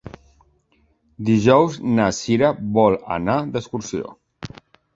Dijous na Cira vol anar d'excursió.